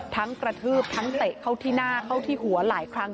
กระทืบทั้งเตะเข้าที่หน้าเข้าที่หัวหลายครั้ง